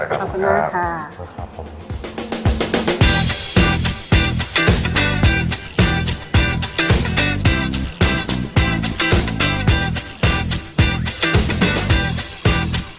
ขอบคุณมากค่ะผม